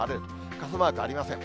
傘マークありません。